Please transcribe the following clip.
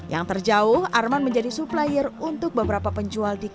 yang terjauh amran menjadi supplier untuk beberapa penjual di kota